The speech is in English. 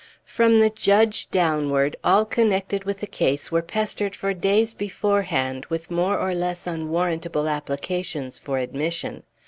From the judge downward, all connected with the case were pestered for days beforehand with more or less unwarrantable applications for admission.